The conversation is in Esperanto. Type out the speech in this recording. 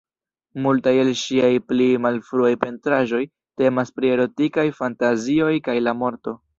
Multaj el ŝiaj pli malfruaj pentraĵoj temas pri erotikaj fantazioj kaj la morto.